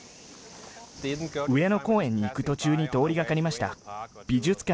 上野公園に行く途中に通りがかりました。